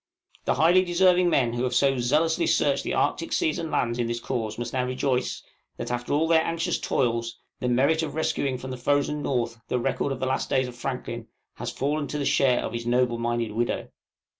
The highly deserving men who have so zealously searched the Arctic seas and lands in this cause must now rejoice, that after all their anxious toils, the merit of rescuing from the frozen North the record of the last days of Franklin, has fallen to the share of his noble minded widow.